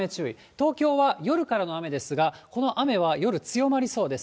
東京は夜からの雨ですが、この雨は夜強まりそうです。